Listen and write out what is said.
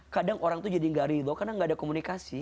kadang orang itu jadi nggak ridho karena gak ada komunikasi